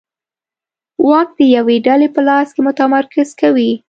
واک د یوې ډلې په لاس کې متمرکز کوي.